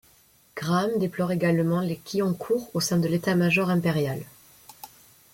Graham déplore également les qui ont cours au sein de l'état-major impérial.